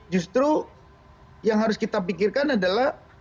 justru yang harus kita pikirkan adalah